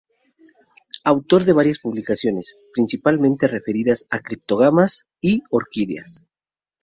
Autor de varias publicaciones, principalmente referidas a Criptógamas y Orquídeas.